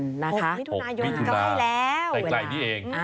มิถุนายนใกล้แล้วใกล้นี้เอง